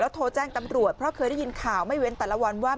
โทรแจ้งตำรวจเพราะเคยได้ยินข่าวไม่เว้นแต่ละวันว่า